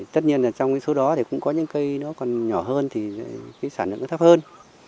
tất nhiên trong số đó cũng có những cây còn nhỏ hơn thì sản lượng thấp hơn